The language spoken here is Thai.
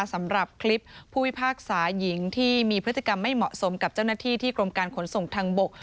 สำหรับคลิปผู้พิพากษาหญิงที่มีพฤติกรรมไม่เหมาะสมกับเจ้าหน้าที่ที่กรมการขนส่งทางบก